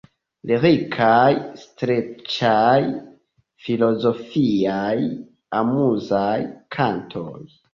Lirikaj, streĉaj, filozofiaj, amuzaj kantoj.